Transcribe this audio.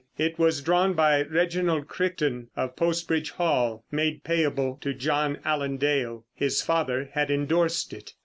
It was drawn by Reginald Crichton, of Post Bridge Hall, made payable to John Allen Dale. His father had endorsed it.